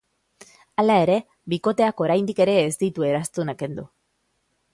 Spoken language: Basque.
Hala ere, bikoteak oraindik ere ez ditu eraztunak kendu.